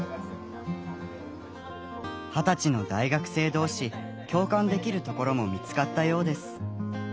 二十歳の大学生同士共感できるところも見つかったようです。